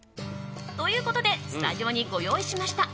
ということでスタジオにご用意しました。